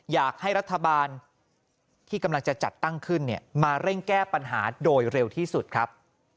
อยากให้รัฐบาลที่กำลังจะจัดตั้งขึ้นมาเร่งแก้ปัญหาโดยเร็วที่สุดครับ